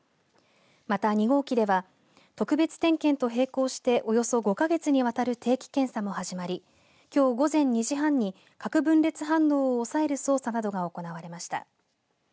また２号機では特別点検と並行しておよそ５か月にわたる定期検査も始まりきょう午前２時半に核分裂反応を抑える操作などが行われました。